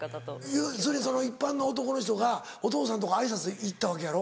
要するに一般の男の人がお父さんのとこ挨拶行ったわけやろ？